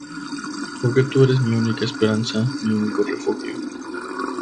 Porque tú eres mi única esperanza, mi único refugio.